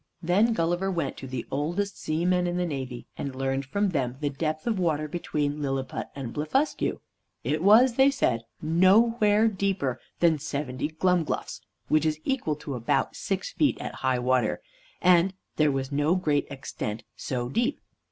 Then Gulliver went to the oldest seamen in the navy, and learned from them the depth of water between Lilliput and Blefuscu. It was, they said, nowhere deeper than seventy glumgluffs (which is equal to about six feet) at high water, and there was no great extent so deep.